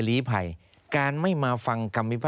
รีไพรไม่ได้